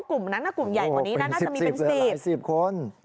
กลุ่มนั้นกลุ่มใหญ่กว่านี้นั้นน่าจะมีเป็นสิบ